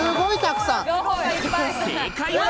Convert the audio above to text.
正解は。